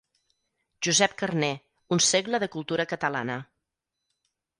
«Josep Carner, un segle de cultura catalana».